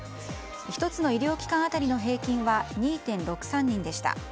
１つの医療機関当たりの平均は２．６３人でした。